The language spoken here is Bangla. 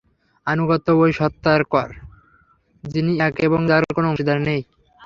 আনুগত্য ঐ সত্তার কর, যিনি এক এবং যার কোন অংশীদার নেই।